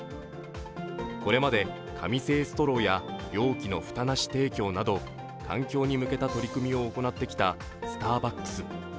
これまで紙製ストローや容器の蓋なし提供など環境に向けた取り組みを行ってきたスターバックス。